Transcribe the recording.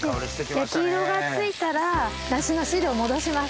焼き色がついたら梨の汁を戻します。